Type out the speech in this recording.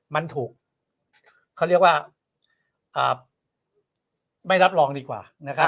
มันถูกเขาเรียกว่าไม่รับรองดีกว่านะครับ